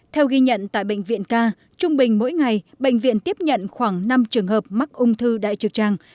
theo ghi nhận tại bệnh viện ca trung bình mỗi ngày bệnh viện tiếp nhận khoảng năm trường hợp mắc ung thư đại trực tràng